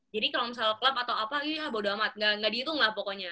jadi kalau misalnya klub atau apa ya bodo amat nggak dihitung lah pokoknya